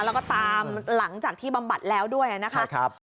แล้วก็ตามหลังจากที่บำบัดแล้วด้วยนะครับ